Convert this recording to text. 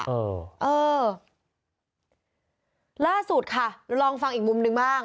เออเออล่าสุดค่ะลองฟังอีกมุมหนึ่งบ้าง